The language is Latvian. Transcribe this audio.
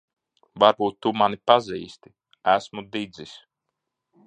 Varbūt tu pazīsti mani. Esmu Didzis.